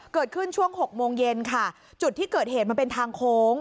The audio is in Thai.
เกิดขึ้นช่วงหกโมงเย็นค่ะจุดที่เกิดเหตุมันเป็นทางโค้ง